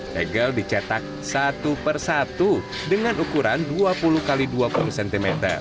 tegel dicetak satu persatu dengan ukuran dua puluh x dua puluh cm